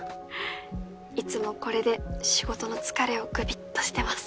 いつもこれで仕事の疲れをグビっとしてます。